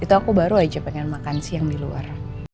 itu aku baru aja pengen makan siang di luar